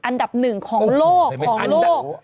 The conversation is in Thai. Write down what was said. อันดับหนึ่งของโลกของโลก